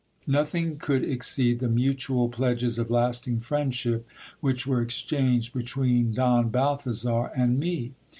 Nothing could exceed the mutual pledges of lasting friendship which were exchanged between Don Balthazar and me.